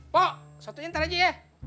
pok suatu inter lagi ya